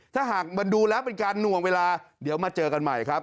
ถ้าหากมันดูแล้วเป็นการหน่วงเวลาเดี๋ยวมาเจอกันใหม่ครับ